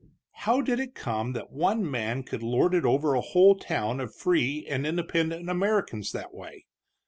How did it come that one man could lord it over a whole town of free and independent Americans that way?